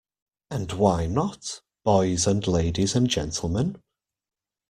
And why not, boys and ladies and gentlemen?